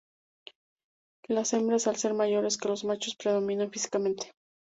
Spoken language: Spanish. Las hembras al ser mayores que los machos predominan físicamente.